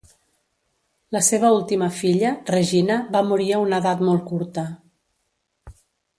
La seva última filla, Regina, va morir a una edat molt curta.